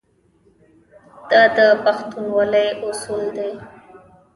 دا د پښتونولۍ اصول دي.